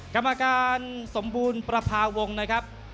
กรรมการสมบูรณ์ประพาวงศ์นะครับ